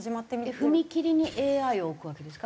踏切にＡＩを置くわけですか？